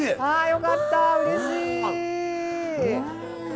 あよかった。